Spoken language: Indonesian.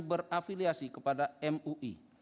berafiliasi kepada mui